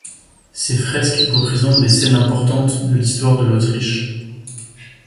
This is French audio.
Ces fresques représentent des scènes importantes de l'histoire de l'Autriche.